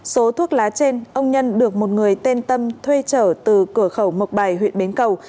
số thuốc lá trên ông nhân được một người tên tâm thuê trở từ cửa khẩu mộc bài huyện bến cầu